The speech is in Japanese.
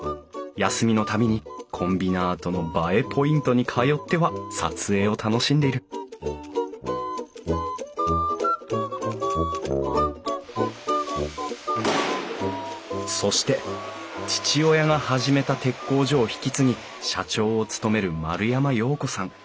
休みの度にコンビナートの映えポイントに通っては撮影を楽しんでいるそして父親が始めた鉄工所を引き継ぎ社長を務める丸山洋子さん。